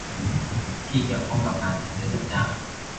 ที่เกี่ยวข้องกับการจัดซื้อจัดจ้าง